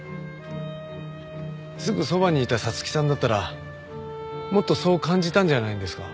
すぐそばにいた沙月さんだったらもっとそう感じたんじゃないですか？